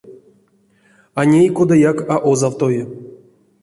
А ней кодаяк а озавтови.